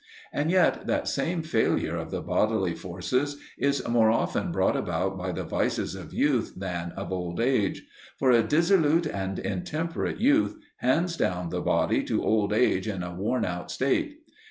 And yet that same failure of the bodily forces is more often brought about by the vices of youth than of old age; for a dissolute and intemperate youth hands down the body to old age in a worn out state.